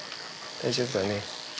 大丈夫だね。